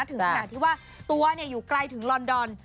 ถึงขนาดที่ว่าตัวอยู่ไกลถึงลอนดอน